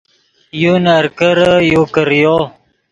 یو نرکرے یو کریو